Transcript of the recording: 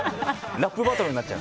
ラップバトルになっちゃう。